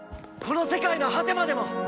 この世界の果てまでも！